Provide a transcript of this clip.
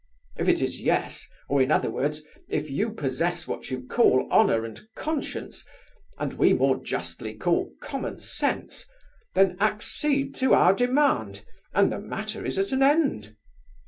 If it is yes, or, in other words, if you possess what you call honour and conscience, and we more justly call common sense, then accede to our demand, and the matter is at an end.